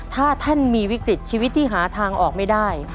ถ้าท่านมีวิกฤตชีวิตที่หาทางออกไม่ได้